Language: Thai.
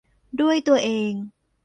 ด้วยตัวเอง